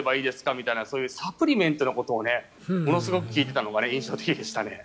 みたいなそういうサプリメントのことをものすごく聞いていたのが印象的でしたね。